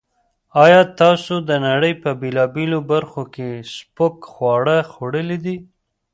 ایا تاسو د نړۍ په بېلابېلو برخو کې سپک خواړه خوړلي دي؟